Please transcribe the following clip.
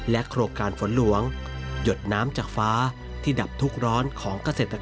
โครงการฝนหลวงหยดน้ำจากฟ้าที่ดับทุกข์ร้อนของเกษตรกร